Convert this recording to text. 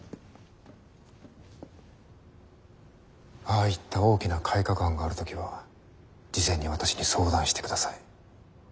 ああいった大きな改革案がある時は事前に私に相談してください。